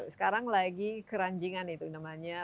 sekarang lagi keranjingan itu namanya